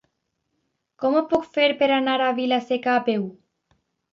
Com ho puc fer per anar a Vila-seca a peu?